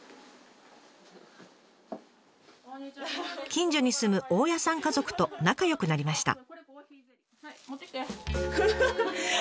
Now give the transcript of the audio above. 近所に住む大家さん家族と仲よくなりました。